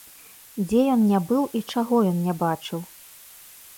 Дзе ён не быў і чаго ён не бачыў?